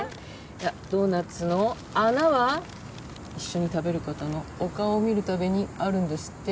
ドーナツの穴は一緒に食べる方のお顔を見るためにあるんですって。